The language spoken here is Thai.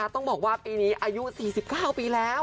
ต้องบอกว่าปีนี้อายุ๔๙ปีแล้ว